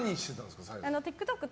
ＴｉｋＴｏｋ